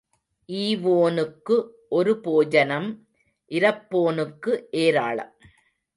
ஈவோனுக்கு ஒரு போஜனம் இரப்போனுக்கு ஏராளம்.